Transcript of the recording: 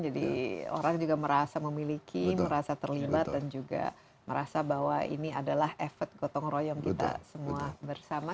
jadi orang juga merasa memiliki merasa terlibat dan juga merasa bahwa ini adalah efek gotong royong kita semua bersama